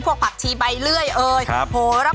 พวกผักทีใบเลื่อยโผระพา